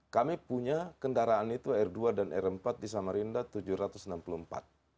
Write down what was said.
kami punya kendaraan itu r dua dan r empat di samarinda tujuh ratus enam puluh empat